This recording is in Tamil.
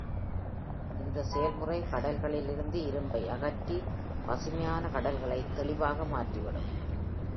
இந்த செயல்முறை கடல்களிலிருந்து இரும்பை அகற்றி, பசுமையான கடல்களை தெளிவாக மாற்றிவிடும்.